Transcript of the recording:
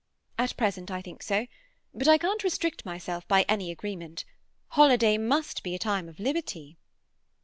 "At present I think so. But I can't restrict myself by any agreement. Holiday must be a time of liberty."